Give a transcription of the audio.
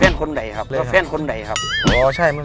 นะครับคือแฟนคนใหญ่ครับ